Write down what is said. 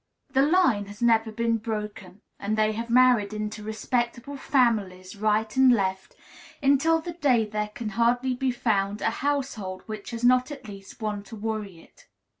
The line has never been broken, and they have married into respectable families, right and left, until to day there can hardly be found a household which has not at least one to worry it.